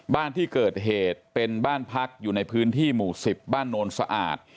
บ้านที่เกิดเหตุเป็นบ้านพักอยู่ในพื้นที่หมู่๑๐บ้านโนนสะอาด